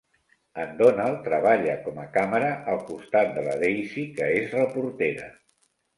En Donald treballa com a càmera al costat de la Daisy, que és reportera.